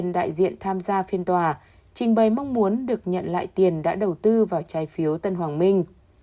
đại diện tham gia phiên tòa trình bày mong muốn được nhận lại tiền đã đầu tư vào trái phiếu tân hoàng minh